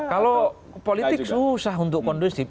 kalau politik susah untuk kondusif